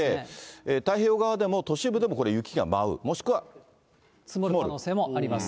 太平洋側でも、都市部でもこれ、雪が舞う、積もる可能性もあります。